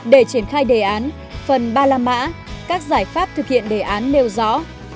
để triển khai đề án phần ba la mã các giải pháp thực hiện đề án nêu rõ